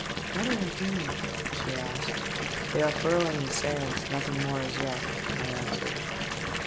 " What are they doing ?" she asked. " They are furling the sails ; nothing more as yet," I answered.